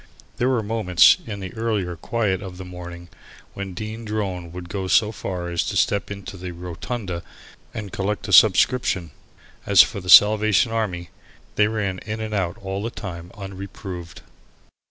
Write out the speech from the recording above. There were moments, in the earlier quiet of the morning, when Dean Drone would go so far as to step in to the "rotunda" and collect a subscription. As for the Salvation Army, they ran in and out all the time unreproved.